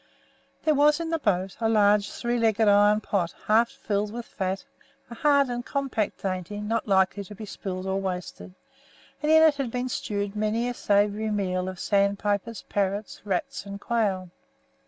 There was in the boat a large three legged iron pot, half filled with fat, a hard and compact dainty not liable to be spilled or wasted, and in it had been stewed many a savoury meal of sandpipers, parrots, rats, and quail.